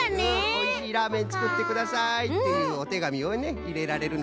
「おいしいラーメンつくってください」っていうおてがみをねいれられるのかな。